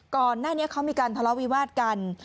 ก่อนหน้านี้เขามีการทะเลาะวิวาสกัน